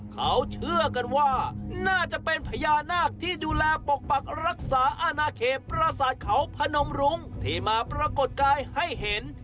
เขาเชื่อกันว่าน่าจะเป็นพญานาคที่ดูแลปกปักรักษาอนาเขตประสาทเขาพนมรุ้งที่มาปรากฏกายให้เห็น